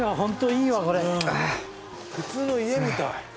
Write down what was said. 普通の家みたい。